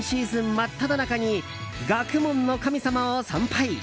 真っただ中に学問の神様を参拝。